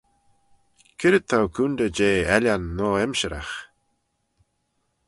C'red t'ou coontey jeh ellan noa-emshiragh?